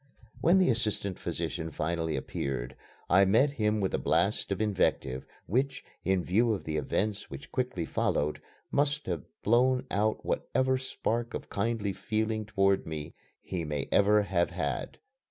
When the assistant physician finally appeared, I met him with a blast of invective which, in view of the events which quickly followed, must have blown out whatever spark of kindly feeling toward me he may ever have had.